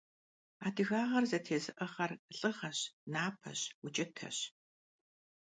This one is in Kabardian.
Адыгагъэр зэтезыӀыгъэр лӀыгъэщ, напэщ, укӀытэщ.